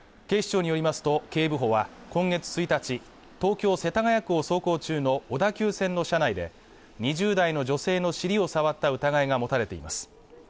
警視庁によりますと警部補は今月１日東京・世田谷区を走行中の小田急線の車内で２０代の女性の尻を触った疑いが持たれています